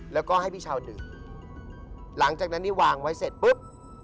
แล้วก็ให้พี่ชาวดื่มหลังจากนั้นนี่วางไว้เสร็จปุ๊บ